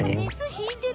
引いてる。